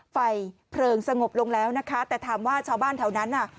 เพลิงสงบลงแล้วนะคะแต่ถามว่าชาวบ้านแถวนั้นน่ะ